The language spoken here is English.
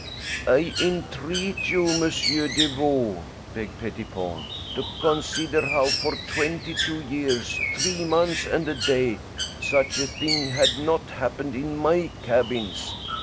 "I entreat you, Monsieur Deveau," begged Pettipon, "to consider how for twenty two years, three months and a day, such a thing had not happened in my cabins.